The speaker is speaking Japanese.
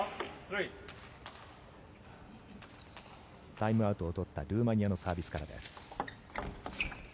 タイムアウトを取ったルーマニアのサービスからです。